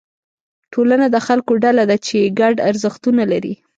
ټولنه د خلکو ډله ده چې ګډ ارزښتونه لري.